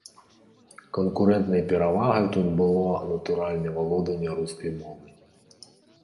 Канкурэнтнай перавагай тут было, натуральна, валоданне рускай мовай.